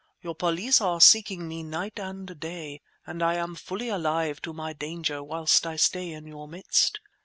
Your police are seeking me night and day, and I am fully alive to my danger whilst I stay in your midst.